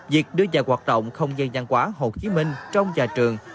việc đưa nhà hoạt động không dây dàng quá hồ chí minh trong nhà trường